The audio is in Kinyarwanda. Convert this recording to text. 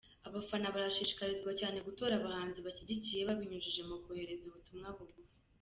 Abafana barashishikarizwa cyane gutora abahanzi bashyigikiye babinyujije mu kohereza ubutumwa bugufi.